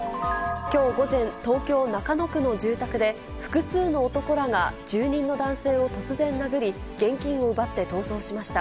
きょう午前、東京・中野区の住宅で、複数の男らが住人の男性を突然殴り、現金を奪って逃走しました。